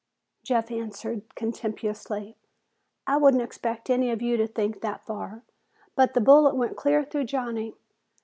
Jeff answered contemptuously, "I wouldn't expect any of you to think that far, but the bullet went clear through Johnny.